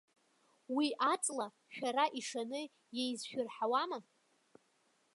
Уи аҵла, шәара ишаны иеизшәырҳауама?